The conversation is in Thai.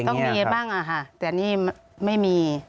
ต้องมีบ้างแต่นี่ไม่มี